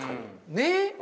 ねっ！